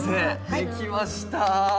できました。